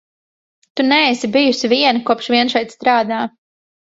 Tu neesi bijusi viena, kopš vien šeit strādā.